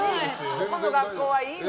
ここの学校はいいの？